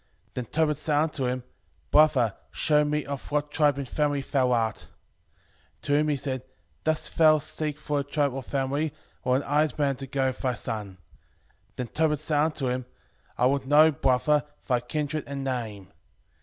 5:10 Then Tobit said unto him, Brother, shew me of what tribe and family thou art. 5:11 To whom he said, Dost thou seek for a tribe or family, or an hired man to go with thy son? Then Tobit said unto him, I would know, brother, thy kindred and name.